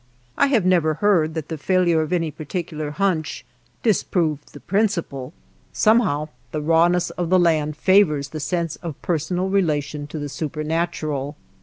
I have never heard that the failure of any particular hunch disproved the principle. So mehow the rawness of the land favors the sense of personal relation to the supernatural.